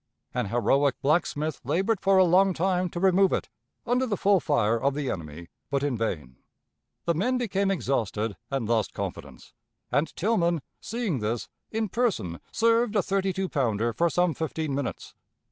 An heroic blacksmith labored for a long time to remove it, under the full fire of the enemy, but in vain. The men became exhausted and lost confidence; and Tilghman, seeing this, in person served a thirty two pounder for some fifteen minutes.